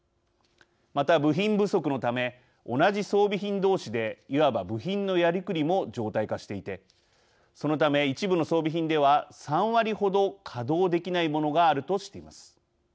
また部品不足のため同じ装備品同士でいわば部品のやりくりも常態化していてそのため一部の装備品では３割ほど稼働できないものがあるとしています。